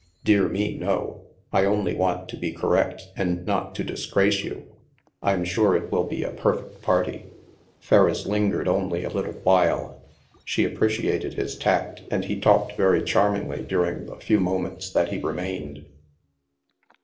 " Dear me, no. I only want to be correct, and not to disgrace you. I am sure it will be a perfect party." Ferriss lingered only a little while. She appre ciated his tact, and he talked very charmingly during the few moments that he remained.